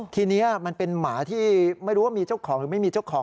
ทีนี้มันเป็นหมาที่ไม่รู้ว่ามีเจ้าของหรือไม่มีเจ้าของ